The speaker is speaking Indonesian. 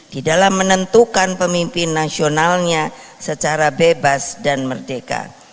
di dalam menentukan pemimpin nasionalnya secara bebas dan merdeka